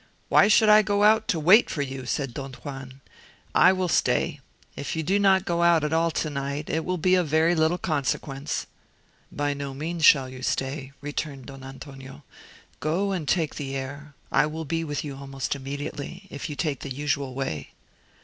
"Why should I go out to wait for you?" said Don Juan. "I will stay; if you do not go out at all to night, it will be of very little consequence." "By no means shall you stay," returned Don Antonio: "go and take the air; I will be with you almost immediately, if you take the usual way."